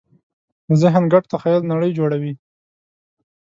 د ذهن ګډ تخیل نړۍ جوړوي.